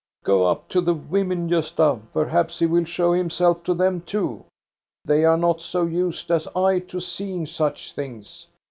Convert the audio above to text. "Go up to the women, Gosta. Perhaps he will show himself to them too. They are not so used as I to seeing such things.